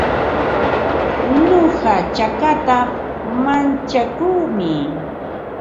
Nuqa chakata mantsakuumi.